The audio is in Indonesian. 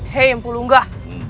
hei mpu lunggah